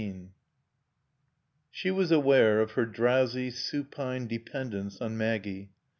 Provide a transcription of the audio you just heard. XIV She was aware of her drowsy, supine dependence on Maggie.